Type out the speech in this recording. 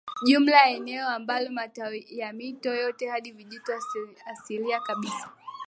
Jumla ya eneo ambako matawi ya mito yote hadi vijito asilia kabisa